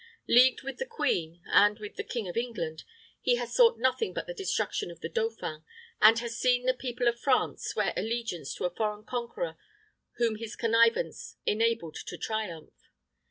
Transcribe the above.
Leagued with the queen, and with the King of England, he has sought nothing but the destruction of the dauphin, and has seen the people of France swear allegiance to a foreign conqueror whom his connivance enabled to triumph.